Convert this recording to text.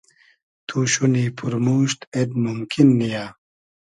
تو شونی پورموشت اید مومکین نییۂ